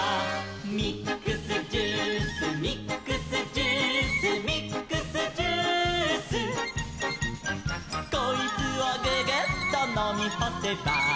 「ミックスジュースミックスジュース」「ミックスジュース」「こいつをググッとのみほせば」